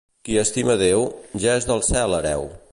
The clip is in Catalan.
Qui estima Déu, ja és del cel hereu.